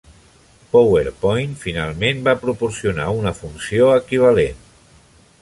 PowerPoint finalment va proporcionar una funció equivalent.